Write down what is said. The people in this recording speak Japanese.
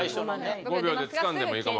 ５秒でつかんでもいいかも。